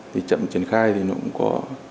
thì chậm triển khai thì nó cũng có